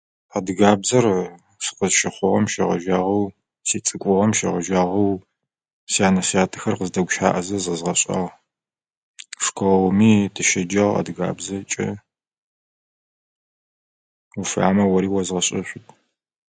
Адыгабзэр сыкъызщыхъугъэм щэгъэжьагъэу, сицӏыкӏугъэм щэгъэжьагъэу, сянэ сятэхэр къыздэгущаӏэхэзэ зэзгъэшӏагъ. Школыми тыщеджагъ адыгабзэкӏэ. Уфаемэ ори уэзгъэшӏэшъут.